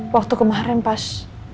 waktu kemarin pas